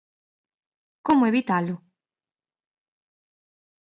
Como evitalo?